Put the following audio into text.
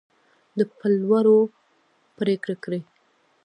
د پلورلو پرېکړه کړې